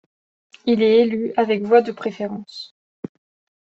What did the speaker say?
Il est élu avec voix de préférence.